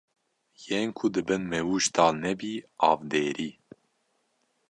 Yên ku dibin mewûj talnebî, avdêrî